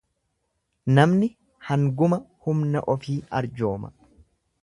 Namni hanguma humna ofii arjooma.